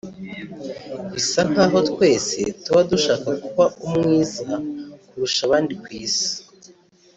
bisa nkaho twese tuba dushaka kuba umwiza kurusha abandi ku isi